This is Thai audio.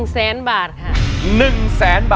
ขอบคุณครับ